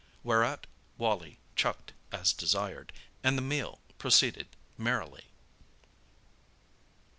'"—whereat Wally "chucked" as desired, and the meal proceeded merrily.